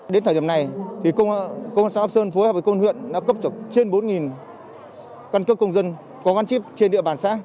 đến thời điểm này công xã sơn phối hợp với công huyện đã cấp trên bốn căn cước công dân có gắn chip trên địa bàn sáng